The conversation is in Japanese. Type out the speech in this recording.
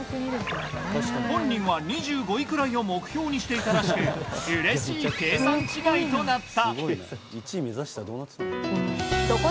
本人は、２５位くらいを目標にしていたらしくうれしい計算違いとなった。